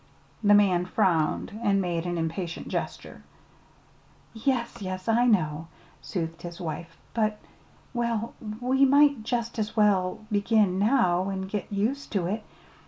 '" The man frowned, and made an impatient gesture. "Yes, yes, I know," soothed his wife; "but, well, we might jest as well begin now an' git used to it.